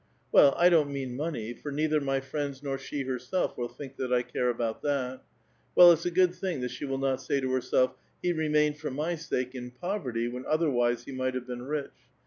Well, I don't mean money, for neither my friends nor she herself will think that 1 care about that. W^ell, it's a good thing that she will not say to herself, ' He remained for my sake in pov erty when otherwise he might have been rich.'